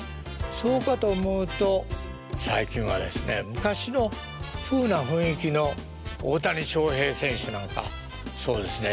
そうかと思うと最近はですね昔のふうな雰囲気の大谷翔平選手なんかそうですね。